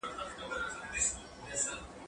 زه ځواب ليکلی دی؟